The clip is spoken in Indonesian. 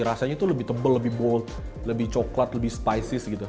rasanya itu lebih tebal lebih bold lebih coklat lebih spisis gitu